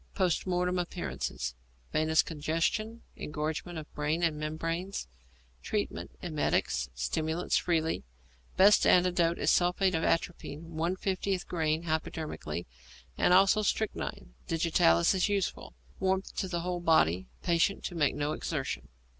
Post Mortem Appearances. Venous congestion, engorgement of brain and membranes. Treatment. Emetics, stimulants freely. Best antidote is sulphate of atropine, 1/50 grain hypodermically, and also strychnine. Digitalis also useful. Warmth to whole body. Patient to make no exertion.